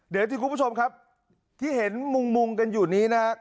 เดี๋ยวที่คุณผู้ชมครับที่เห็นมุงกันอยู่นี้นะครับ